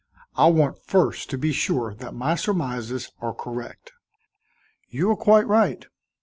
I want first to be sure that my surmises are correct." "You are quite right."